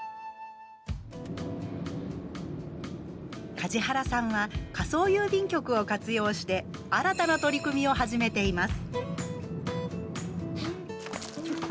梶原さんは仮想郵便局を活用して新たな取り組みを始めています。